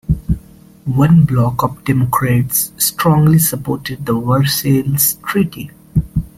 One bloc of Democrats strongly supported the Versailles Treaty.